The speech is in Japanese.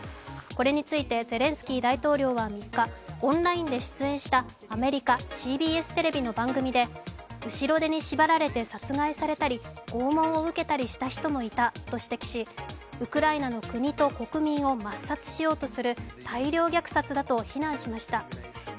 これについてゼレンスキー大統領は３日、オンラインで出演したアメリカＣＢＳテレビの番組で後ろ手に縛られて殺害されたり拷問を受けた人もいたと指摘しウクライナの国と国民を抹殺しようとする大量虐殺だと非難しました。